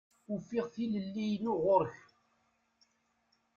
Ufiɣ tilelli-inu ɣur-k.